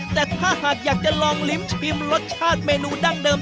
แต่ถ้าหากอยากจะลองลิ้มชิมรสชาติเมนูดั้งเดิม